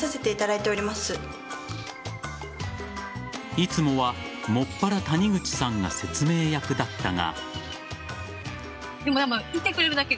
いつもは、もっぱら谷口さんが説明役だったが。